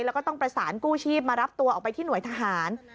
แล้วก็ต้องประสานกู้ชีพมารับตัวออกไปที่หน่วยทหาร